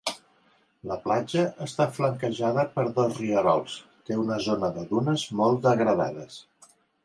La platja està flanquejada per dos rierols, té una zona de dunes molt degradades.